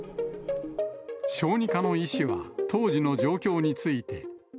小児科の医師は当時の状況について。